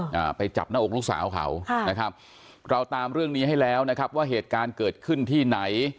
อ่าไปจับหน้าอกลูกสาวเขาค่ะนะครับเราตามเรื่องนี้ให้แล้วนะครับว่าเหตุการณ์เกิดขึ้นที่ไหน